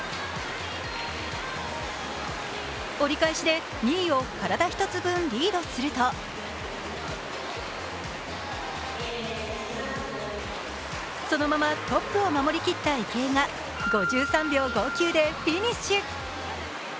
折り返しで２位を体１つ分リードするとそのままトップを守り切った池江が５３秒５９でフィニッシュ。